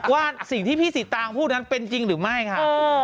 ว่าสิ่งที่พี่สีตางพูดนั้นเป็นจริงหรือไม่ค่ะ